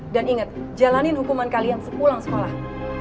dan ingat jalanin hukuman kalian sepulang sekolah